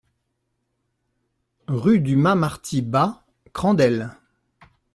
Rue du Mas Marty Bas, Crandelles